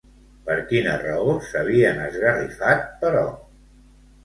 Per quina raó s'havien esgarrifat, però?